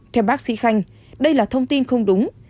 theo bác sĩ khanh đây là thông tin không đúng